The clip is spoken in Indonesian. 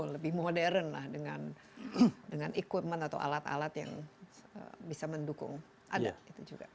lebih modern lah dengan equipment atau alat alat yang bisa mendukung adat itu juga